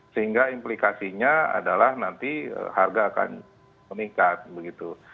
sehingga implikasinya adalah nanti harga akan meningkat begitu